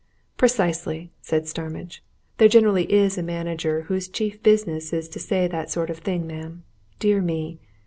"Precisely!" said Starmidge. "There generally is a manager whose chief business is to say that sort of thing, ma'am. Dear me!